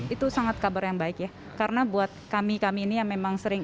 itu sangat kabar yang baik ya karena buat kami kami ini yang memang sering